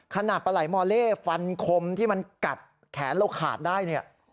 ขนาดปลาไหลมอเล่ฟันคมที่มันกัดแขนเราขาดได้เนี่ย